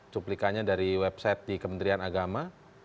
cuplikannya dari website di kementerian agama